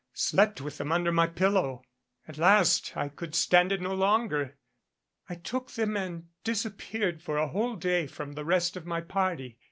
I slept with them under my pillow. At last I could stand it no longer. I took them and disappeared for a whole day from the rest of my party.